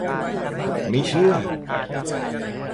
ไม่เชื่อ !